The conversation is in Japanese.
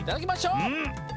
うん。